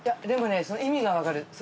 でもねその意味が分かる。